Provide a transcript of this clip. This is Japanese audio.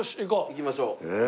行きましょう。